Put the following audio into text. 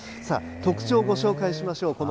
さあ、特徴をご紹介しましょう。